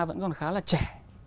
vẫn còn khá là trẻ